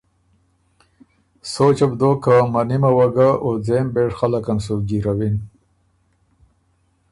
سوچه بو دوک که منِمه وه ګه، او ځېم بېژ خلق ان سُو جیرَوِن